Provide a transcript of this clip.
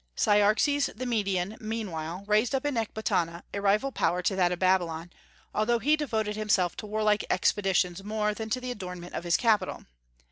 Cyaxares the Median meanwhile raised up in Ecbatana a rival power to that of Babylon, although he devoted himself to warlike expeditions more than to the adornment of his capital.